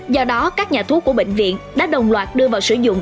do đó các nhà thuốc của bệnh viện đã đồng loạt đưa vào sử dụng